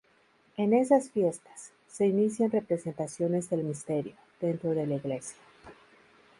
En esas fiestas, se inician representaciones del misterio, dentro de la iglesia.